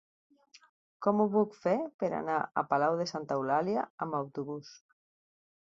Com ho puc fer per anar a Palau de Santa Eulàlia amb autobús?